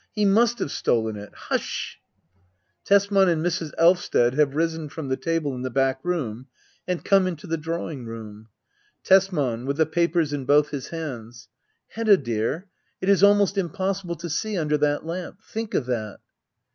He must have stolen it . Hush ! Tesman and Mrs. Elvsted have risen from the table in the back room, and come into the drawing room, Tesman. [ With the papers in both his hands, "] Hedda dear, it is almost impossible to see under that lamp. Think of that